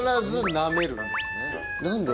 何で？